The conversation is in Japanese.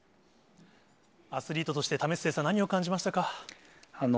アスリートとして為末さん、何を感じましたか。